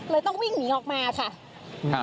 ต้องวิ่งหนีออกมาค่ะ